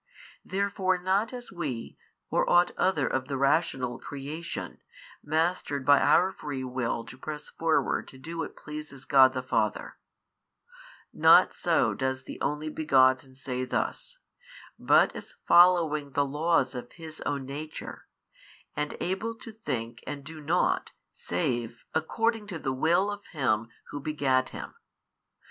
Therefore not as WE, or ought other of the rational creation, mastered by our free will to press forward to do what pleases God the Father; not so does the Only Begotten say thus, but as following the laws of His own Nature and able to think and do nought save according to the Will of Him Who begat Him.